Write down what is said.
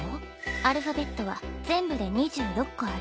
アルファベットは全部で２６個ある。